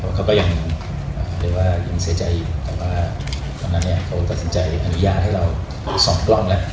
เพราะเขาก็ยังเรียกว่ายังเสียใจอยู่แต่ว่าตอนนั้นเนี่ยเขาตัดสินใจอนุญาตให้เราตรวจสอบกล้องแล้ว